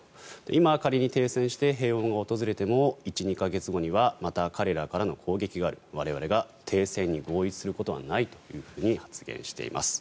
今、仮に停戦して平穏が訪れても１２か月後にはまた彼らからの攻撃がある我々が停戦に合意することはないと発言しています。